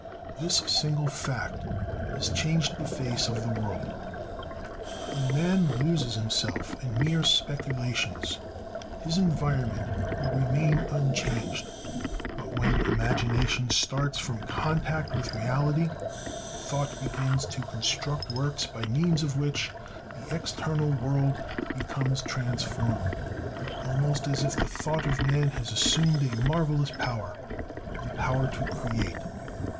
This single fact has changed the face of the world. When man loses himself in mere speculations, his environment will remain unchanged, but when imagination starts from contact with reality, thought begins to construct works by means of which the external world becomes transformed; almost as if the thought of man had assumed a marvelous power: the power to create.